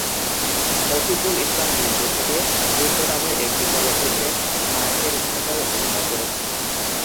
মফিজুল ইসলাম বিন্দু থেকে বৃত্ত নামে একটি চলচ্চিত্রে নায়কের ভূমিকায় অভিনয় করেছেন।